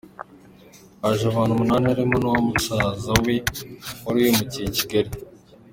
Haje abantu umunani harimo n’uwo musaza we wari wimukiye Kigali.